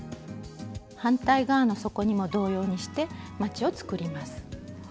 反対側の底にも同様にしてまちを作ります。